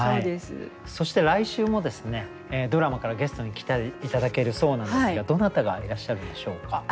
そして来週もドラマからゲストに来て頂けるそうなんですがどなたがいらっしゃるんでしょうか？